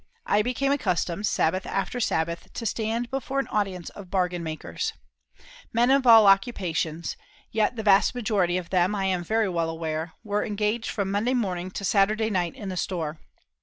I became accustomed, Sabbath after Sabbath, to stand before an audience of bargain makers. Men in all occupations yet the vast majority of them, I am very well aware, were engaged from Monday morning to Saturday night in the store.